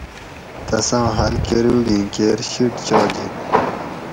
تساں حل کٞروگیں کیر شِٹ چاجینت